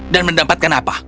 dan mendapatkan apa